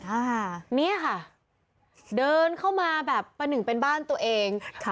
ค่ะเนี่ยค่ะเดินเข้ามาแบบประหนึ่งเป็นบ้านตัวเองค่ะ